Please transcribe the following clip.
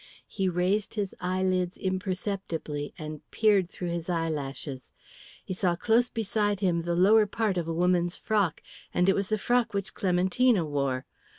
He raised his eyelids imperceptibly and peered through his eyelashes. He saw close beside him the lower part of a woman's frock, and it was the frock which Clementina wore.